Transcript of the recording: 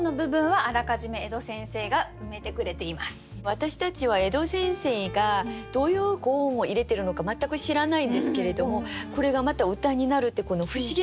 私たちは江戸先生がどういう五音を入れてるのか全く知らないんですけれどもこれがまた歌になるって不思議なんですよね。